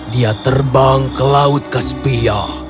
dia terbang ke laut kaspia